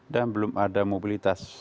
dan belum ada mobilitas